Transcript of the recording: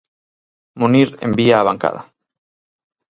Munir envía á bancada.